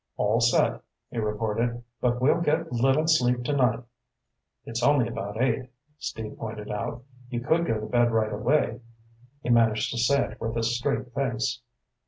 "All set," he reported. "But we'll get little sleep tonight." "It's only about eight," Steve pointed out. "You could go to bed right away." He managed to say it with a straight face.